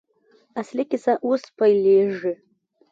اصلي کیسه اوس پیلېږي.